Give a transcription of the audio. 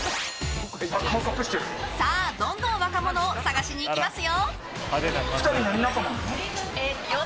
さあ、どんどん若者を探しにいきますよ！